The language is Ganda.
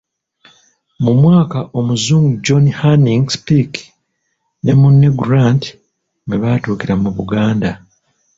Mu mwaka Omuzungu John Hanning Speke ne munne Grant mwe baatuukira mu Buganda.